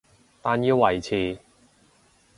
但要維持